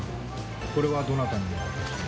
これはどなたに渡すんですか。